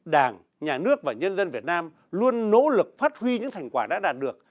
đảng nhà nước và nhân dân việt nam luôn nỗ lực phát huy những thành quả đã đạt được